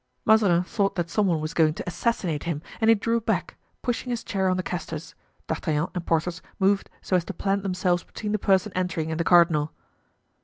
Mazarin thought that some one was going to assassinate him and he drew back, pushing his chair on the castors. D'Artagnan and Porthos moved so as to plant themselves between the person entering and the cardinal.